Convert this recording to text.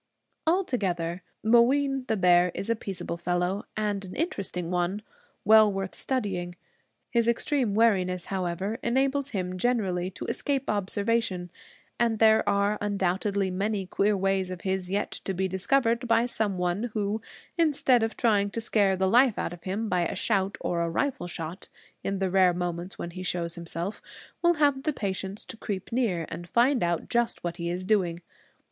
Altogether, Mooween the Bear is a peaceable fellow, and an interesting one, well worth studying. His extreme wariness, however, enables him generally to escape observation; and there are undoubtedly many queer ways of his yet to be discovered by some one who, instead of trying to scare the life out of him by a shout or a rifle shot in the rare moments when he shows himself, will have the patience to creep near, and find out just what he is doing.